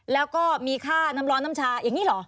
แล้วก็มีค่าน้ำร้อนน้ำชาอย่างนี้เหรอ